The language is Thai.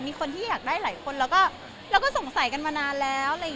มีคนที่อยากได้หลายคนแล้วก็สงสัยกันมานานแล้ว